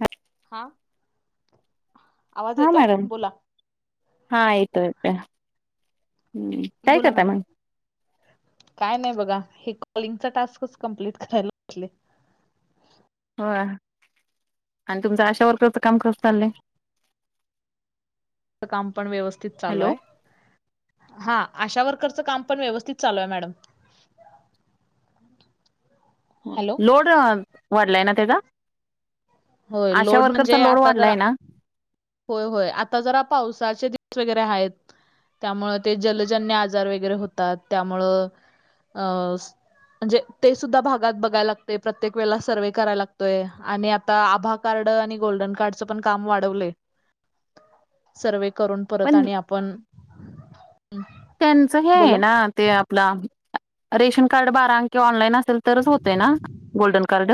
हा हा आवाज हा येतोय मॅडम बोला हा यतत हम् बोला मॅडम काय नाही बघा हे कॉलिंगचा टास्कच कमप्लीट करायला घेतलंय हो आणि तुमच अशा वर्करच काम कसं चाललंय काम पण व्यवस्थित चालू हॅलो आहे हा आशा वर्करचं काम पण व्यवस्थित चालू आहे मॅडम हॅलो लोड वाढलाय ना त्याचा होय अशा लोड वर्करचा म्हणजे लोड आता जरा वाढलाय ना होय होय आता जरा पावसाचे दिस वगैरे आहेत त्यामुळ ते जलजन्य आजार वगैरे होतात त्यामुळं अं म्हणजे ते सुद्धा भागात बघायला लागतय प्रत्येक वेळेला सर्व्हे कराय लागतोय आणि आता आभार कार्ड आणि गोल्डन कार्डच पण काम वाढवले सर्वे करून परत पण आणि आपण त्यांच हे बोला आहे ना ते आपलं रेशन कार्ड बारा कि ऑनलाईन अस ल तरच होतय ना गोल्डन कार्ड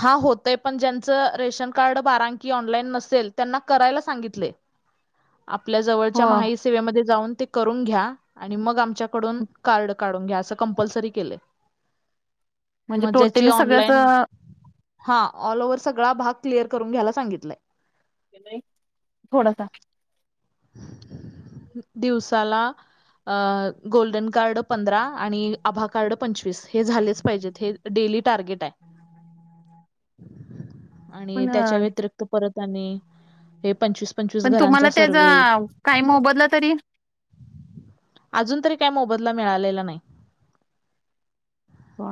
हा होतय पण ज्यांचं रेशन कार्ड बारांकी ऑनलाईन नसेल त्यांना करायला सांगितले [inaudible] आपल्या जवळच्या हो माई सेवेमध्ये जाऊन ते करून घ्या आणि मग आमच्याकडून कार्ड काढून घ्या असं कंपल्सरी केलंय म्हणजे म ज्याचे टोटली सगळ्याच ऑनलाईन हा ऑल ओव्हर सगळा भाग क्लिअर करून घ्यायला सांगितलंय घेताय थोडासा [inaudible] दिवसाला अ गोल्डन कार्ड पंधरा आणि आभा कार्ड पंचवीस हे झालेच पाहिजेत हे डेली टार्गेट आहे. आणि पण त्याच्या व्यतिरिक्त परत आणि हे पंचवीस पंचवीस घरांचा स काम काही मोबदला तरी अजून तरी काय मोबदला मिळालेला नाही. हो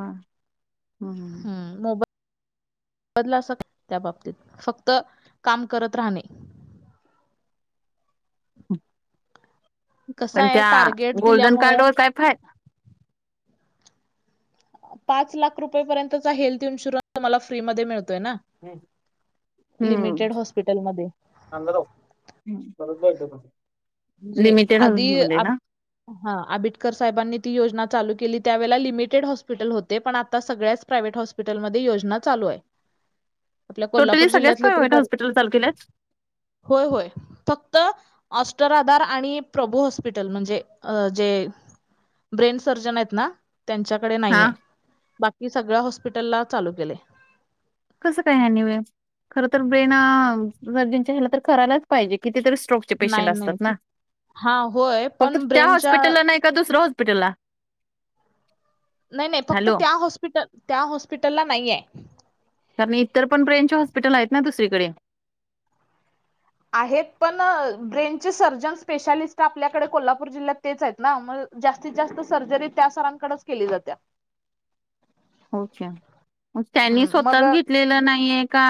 हम् [unintelligible] मोब बदला त्या बाबतीत फक्त काम करत राहणे. कसं पण आहे त्या टार्गेट गोल्डन कार्ड दिल्यामुळं वर काय फाय पाच लाख रुपयेपर्यंतचा हेल्थ इन्शुरन्स तुम्हाला फ्री मध्ये मिळतोय ना. लिमिटेड हॉस्पिटल मध्ये थांब जरा परत जायचं का म्हणजे लिमिटेड आहे आधी म्हणली ना. हा आंबिडकर साहेबांनी ती योजना चालू केली त्यावेळेला लिमिटेड हॉस्पिटल होते पण आता सगळ्याच प्रायव्हेट हॉस्पिट हॅस्पिटल मध्ये योजना चालू ये. टोटली सगळ्याच प्रायव्हेट हॉस्पिटला चालू केल्यात? हो होय फक्त उत्तर आधार आणि प्रभू हॉस्पिटल म्हणजे जे ब्रेन सर्जन आहेत ना त्यांच्याकडे हा. नाहीये बाकी सगळ्या हॉस्पिटला चालू केले. कसं काय हा नियम खर तर ब्रेन अ सर्जन ह्याला तर करायलाच पाहिजे कितीतरी स्ट्रोक् पेशंट नाही असतात नाही ती ना हां होय फक्त पण त्या ब्रेनच्या हॉस्पिटलला नाही का दुसऱ्या हॉस्पिटलला नाही नाही फक्त हॅलो त्या हॉस्पिटल त्या हॉस्पिटलला नाहीये. आणि इतर पण ब्रेनचे हॉस्पिटल आहेत ना दुसरीकडे आहेत पण ब्रेनचे सर्जन स्पेशालिस्ट आपल्याकडे कोल्हापूर जिल्ह्यात तेच आहेत ना मग जास्तीत जास्त सर्जरी त्या सरांकडेच केली जात्या. ओके म त्यांनी मग स्वतःच घेतलेलं नाहीये का?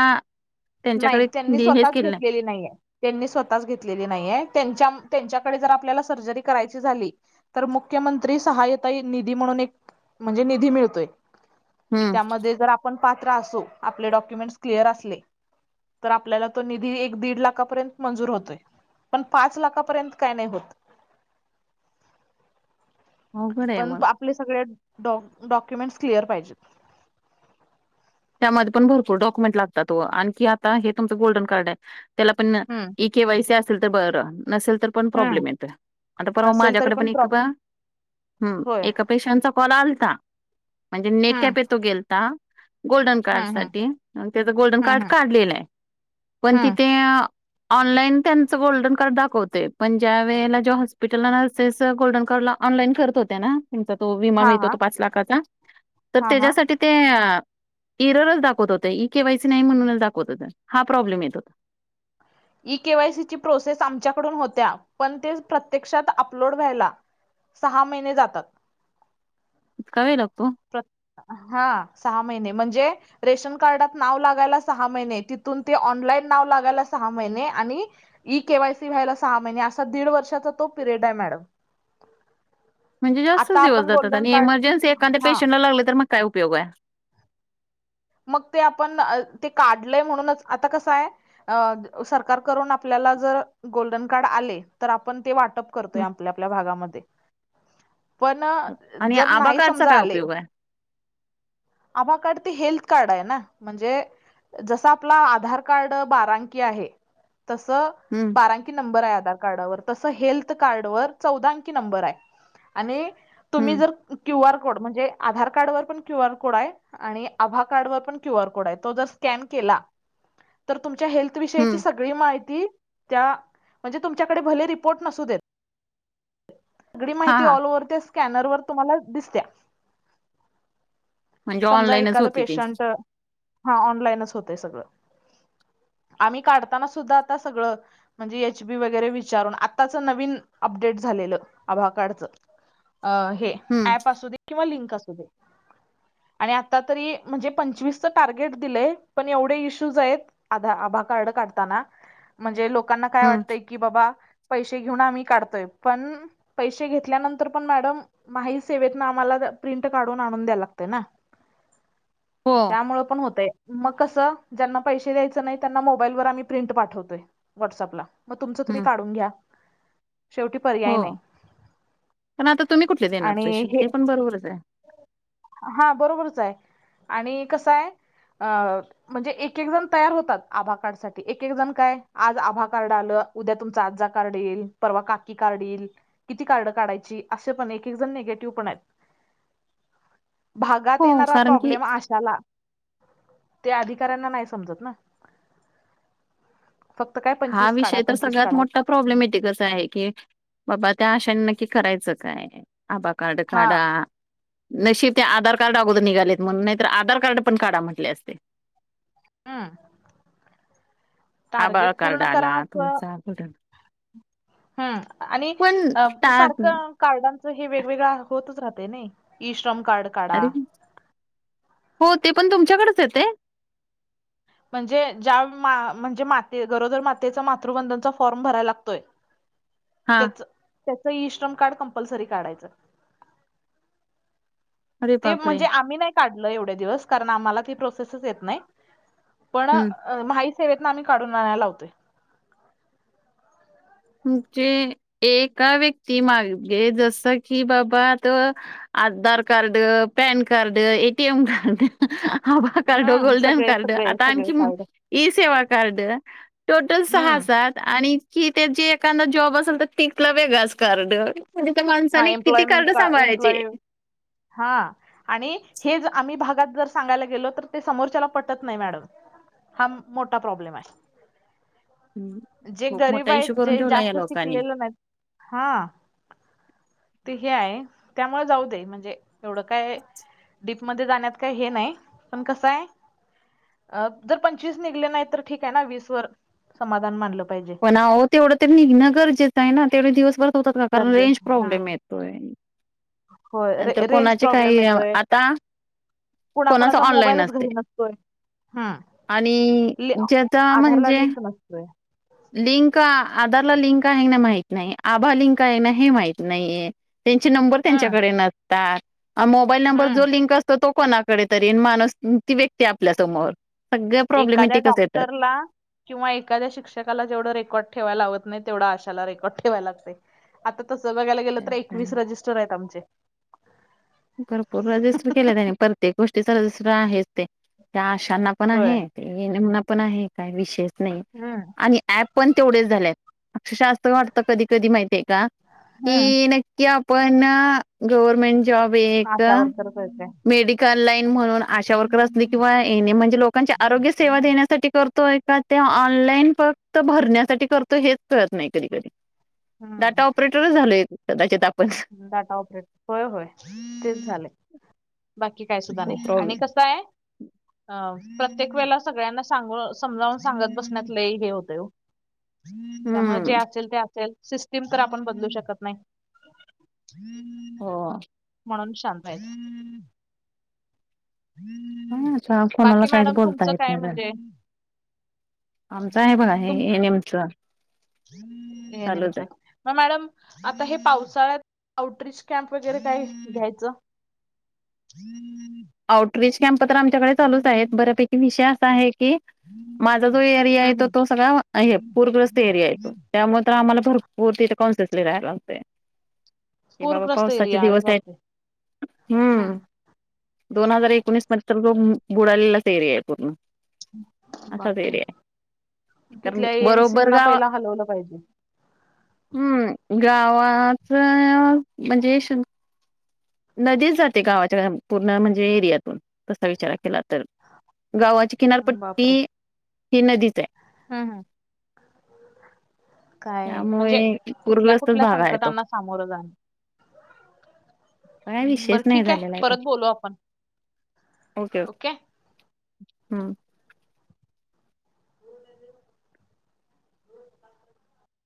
नाही त्यांच्याकडे त्यांनी दि- हेच स्वतःच केलं नाही? घेतलेली नाहीये. त्यांनी स्वतःच घेतलेली नाहीेये त्यांच्या- त्यांच्याकडे जर आपल्याला सर्जरी करायची झाली तर मुख्यमंत्री सहाय्यता निधी म्हणून एक म्हणजे निधी मिळतोय. हम्म त्यामध्ये जर आपण पात्र असू आपले डॉक्युमेंटस क्लिअर असले तर आपल्याला तो निधी एक दीड लाखापर्यंत मंजूर होतोय. पण पाच लाखापर्यंत काय नाही होत. [inaudible] अवघड आहे पण मग. आपले सगळे डाॅ- डॉक्युमेंट क्लिअर पाहिजेत. त्यामध्ये पण भरपूर डॉक्युमेंट लागतात व आणखी आता हे तुमचं गोल्डन कार्डये त्याला पण हम्म ई केवायसी असेल तर बर नसेल तर पण हम्म. प्रॉब्लेम येतय आता परवा नसेल तरी माझ्याकडे पण प्रॉब एकदा हम होय. एक पेशंटचा कॉल आलता म्हणजे नेट हम्म कॅपेत तो गेलता गोल्डन कार्ड हम्म हम्म साठी त्याच गोल्डन कार्ड हम्म हम्म काढलेलं आहे पण हम्म. तिथे अअ ऑनलाईन त्यांचं गोल्डन कार्ड दाखवतय पण ज्या वेळेला ज्या हॉस्पिटलला नर्सेस गोल्डन कार्ड ला ऑनलाईन करत होत्या ना तुमचा तो विमा हा मिळतो हा तो पाच लाखाचा तर हा हा. त्याज्यासाठी ते अअ एररच दाखवत होते ई केवायसी नाही म्हणनूच दाखवत होते हा प्रॉब्लेम येत होता. ई केवायसी ची प्रोसेस आमच्याकडून होत्या पण ते प्रत्यक्षात अपलोड व्हायला सहा महिने जातात. इतका वेळ लागतो. हा सहा महिने म्हणजे रेशन कार्डात नाव लागायला सहा महिने. तिथून ते ऑनलाईन नाव लागायला सहा महिने आणि- ई के वाय सी व्हायला सहा महिने. असा दीड वर्षाचा तो पिरियड आहे मॅडम. म्हणजे आता जास्तच दिवस आपण जातात. गोल्डन आणि कार्ड इमर्जन्सी एखाद्या हा पेशंटला लागले तर मग काय उपयोग आहे. मग ते आपण ते काढलय म्हणूनच आता कसं आहे? अ. सरकार करून आपल्याला जर गोल्डन कार्ड आले तर आपण ते वाट- -प करतोय. हं. आपल्या आपल्या भागामध्ये. पण आणि जर आभा नाही कार्डचा समजा काय आले. उपयोग आहे? आभा कार्ड त हेल्थ- कार्ड आहे ना? म्हणजे- जस आपला आधार कार्ड बारांकी आहे. तस हं, बारांकी- -कि नंबर आहे आधार कार्डवर. तस् हेल्थ कार्ड वर चवदा अंकी नंबर आहे आणि- तुम्ही हं. जर क्यू आर कोड म्हणजे, आधार कार्ड वर पण क्यू आर कोड आहे आणि आभा- कार्ड वर पण क्यू आर कोड आहे. तो जर स्कॅन केला तर तुमच्या हेल्थ विषयीची हं, सग - -ळी माहिती त्या, म्हणजे तुमच्याकडे भले रिपोर्ट नसू देत- सगळी हां, माहिती हां. ऑल ओव्हर त्या स्कॅनर वर तुम्हाला दिसत्या. म्हणजे समजा ऑनलाईनच एखादं होते ती. पेशंट हा. ऑनलाईनच होतय सगळं. आम्ही काढताना सुद्धा आता सगळं- म्हणजे एच बी वगैरे विचारून. आत्ताच नवीन अपडेट झालेलं आभा कार्डच. अ हे हं, ऍप असुदे किंवा लिंक असुदे. आणि आत्ता तरी - म्हणजे पंचवीसच टार्गेट दिलंय पण एवढे इश्यूज आहेत. आभा आभा कार्ड काढताना. म्हणजे लोकांना काय हं. वाटतंय - की बाबा पैसे घेऊन आम्ही काढतोय. पण- पैसे घेतल्यानंतर पण मॅडम माही सेवेतन आम्हाला प्रिंट काढून आणून द्याला लागत ना? हो, मूळ होत मग कस? ज्यांना पैसे द्यायचं नाही त्यांना मोबाईलवर आम्ही प्रिंट पाठवतोय. व्हॉट्सअपला. मग तुमचं तुम्ही हं, काढून घ्या. शेवटी हो. पर्याय नाही पण आता तुम्ही कुठले देणार आणि पैसे? ते पण बरोबरच आहे. हां. बरोबरच आहे. आणि कसं आहे? अ - म्हणजे एक एक जण तयार होतात. आभा कार्डसाठी एक एक जण काय आज आभा कार्ड आलं. उद्या तुमचा आज्जा कार्ड येईल. परवा काकी कार्ड येईल. किती कार्ड काढायची? असे पण एक एक जण निगेटिव्ह पण आहेत. [inaudible] भागात हो, येणारा कारण प्रॉब - की आशाला ते अधिकाऱ्यांना नाही समजत ना? फक्त काय हा पंचवीस काढा विषय तर पंचवीस सगळ्यात काढा मोठा प्रॉब्लेमॅटिकच आहे की - बाबा त्या आशांनी नक्की करायचं काय? आभा कार्ड हा काढा. नशीब ते आधार कार्ड अगोदर निघालेत म्हणून. नाही तर ते आधार कार्ड पण काढा म्हटले असते. हम्म. आबाळ टार्गेट कार्ड पूर्ण करा आला असं तुमचा कुठं - हम्म. आणि पण अ ता सारखं - कार्डांच हे वेगवेगळ होतच राहतंय नाई? ई श्रम कार्ड- काढा [unintelligible] हो ते पण तुमच्याकडेच येतंय? म्हणजे ज्या मा म्हणजे माते गरोदर मातेचं मातृबंधनचा फॉर्म भरायला लागतोय. [inaudible] त्याचं त्याचं ई-श्रम कार्ड कम्पल्सरी काढायचं. अरे ते बापरे! म्हणजे आम्ही नाही काढलं एवढे दिवस कारण आम्हाला ती प्रोसेसच येत नाही पण हं. अ महा ई सेवेतनं आम्ही काढून आणाय लावतोय. म्हणजे एका व्यक्ती मागे जसं की बाबा आता Aadhaar card, PAN card, A T M card Aadhaar card, हम्म गोल्डन सगळे कार्ड सगळे आता सगळे आणखी card e Seva card. Total सहा हम्म हजार. आणि की त्यांचे एखादा जॉब असेल तर तिकलं वेगळंच कार्ड. म्हणजे त्या हा माणसाने किती कार्ड सांभाळायचे? हां. आणि हे ज आम्ही भागात जर सांगायला गेलो तर ते समोरच्याला पटत नाही मॅडम. हा मोठा प्रॉब्लेम आहे. हं, जे खूप गरीब मोठा इश्यू आहेत करून जे ठेवला या जास्त लोकांनी. शिकलेलं नाहीत हां. ते हे आहे त्यामुळे जाऊ दे म्हणजे एवढं काय डीपमध्ये जाण्यात काय हे नाही पण कसं आहे अ जर पंचवीस निघले नाहीत तर ठीक आहे ना वीस वर समाधान मानलं पाहिजे. ना हो तेवढं तर निघणं गरजेचं आहे ना? तेवढे दिवसभरात होतात का? तर कारण जे- रेंज प्रॉब्लेम येतोय. हो रे नंतर रेंज कोणाचे प्रॉब्लेम काही येतोय आता कोणाच कुणाकुणाचा ऑनलाईन मोबाईलच असते घरी नसतोय. हां आणि ली ज्याचा आधारला म्हणजे लिंक नसतोय. लिंक आधारला लिंक आहे का नाही माहित नाही. आभा लिंक आहे ना हे माहित नाहीये. त्यांचे नंबर हम्म त्यांच्याकडे नसतात अ मोबाईल नंबर हम्म जो लिंक अस तर तो कोणाकडे तरी [unintelligible] ती व्यक्ती आपल्यासमोर सगळे एखाद्या प्रॉब्लेमेटिकच येतात. डॉक्टरला किंवा एखाद्या शिक्षकाला जेवढं रेकॉर्डे ठेवाय लावत नाहीत तेवढा आशाला रेकॉर्ड ठेवाय लागतंय. आता तसं बघायला गेलं तर एकवीस रजिस्टर आहेत आमचे. भरपूर रजिस्टर केले त्यांनी प्रत्येक गोष्टीच रजिस्टर आहेच ते त्या आशांना पण होय आहे. ते ये म्हणा पण आहे काय विषयच नाही. हम्म. आणि ऍप पण तेवढेच झालेत अक्षरशा अस वाटतं कधी कधी माहितीय का. हम्म की नक्की आपण गव्हर्मेंट जॉब एक आशा वर्कर करते. मेडिकल लाईन म्हणून आशा वर्कर असली किंवा येणे म्हणजे लोकांची आरोग्य सेवा देण्यासाठी करतोय का ते ऑनलाईन फक्त भरण्यासाठी करतो हेच कळत नाही कधी कधी. डाटा हम्म ऑपरेटरच झालोय कदाचित आपण. डाटा ऑपरेट होय होय तेच झालंय. बाकी काय सुद्धा हो नाही प्रॉब्लेम आणि कस आहे. अ प्रत्येक वेळेला सगळ्यांना सांग समजावून सांगत बसण्यात लय हे होतंय. त्यामुळे हम्म जे असेल ते असेल सिस्टीम तर आपण बदलू शकत नाही. हम्म. हो. म्हणून शांत आहे. हाछ कोणाला बाकी काहीच मॅडम बोलता तुमचं येत काय नाही. म्हणजे आमचं आहे बघ हे हे नेमचं. एएनमच, मग मॅडम आता हे पावसाळ्यात आउटरीच कॅम्प वगैरे काय घ्यायचं. हम्म. आउटरीच कॅम्प तर आमच्याकडे चालूच आहेत बऱ्यापैकी विषय असा आहे की माझा जो एरिया आहे हम्म तो हम्म. तो सगळा पूरग्रस्त एरिया येतो त्यामुळे तर आम्हाला भरपूर मूर्तीच्या कॉनसेस लिहायलागते. क बाबा पूरग्रस्त पावसाचे एरिया अरे दिवस आहे बापरे. हम्म, दोन हजार एकोणीस मध्ये तर जो बुडालेलाच एरिया आहे पूर्ण असाच बापरे एरिया आहे कारण तिथल्या बरोबर एनसीना गाव पहिला हलवलं पाहिजे. हम्म गावाच म्हणजे श नदीच जाते गावाच्या पूर्ण म्हणजे एरियातून तसा विचार केला तर गावाची बापरे किनारपट्टी ही नदीच आहे. हम्म हम, काय त्यामुळे म्हणजे कुठल्या पूरग्रस्तच कुठल्या भाग आहे तो संकटांना सामोरं जाण काय विषयच बरं नाही ठीक आहे झालेला तो परत बोलो आपण ओके. हम्.